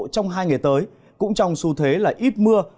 trong hai ngày tới cũng trong xu thế là ít mưa